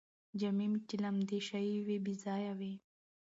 جامې چې لمدې شوې وې، بې ځایه وې